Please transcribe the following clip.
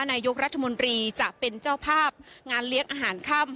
นายกรัฐมนตรีจะเป็นเจ้าภาพงานเลี้ยงอาหารค่ำ